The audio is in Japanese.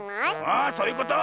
あそういうこと！